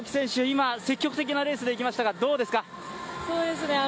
今、積極的なレースでいきましたが、どうでしたか。